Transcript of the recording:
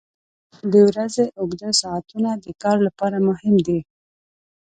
• د ورځې اوږده ساعتونه د کار لپاره مهم دي.